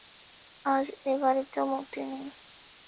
আজ এ বাড়িতেও মুক্তি নেই।